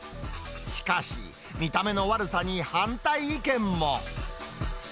しかし、見た目の悪さに反対意見も。